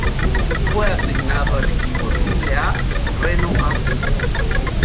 Fue asignado al equipo de Triple-A, Reno Aces.